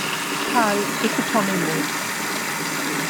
Pâle, écoutant les mots